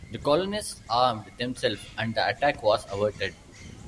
The colonists armed themselves, and the attack was averted.